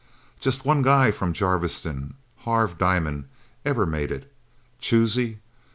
Just one guy from Jarviston Harv Diamond ever made it. Choosy?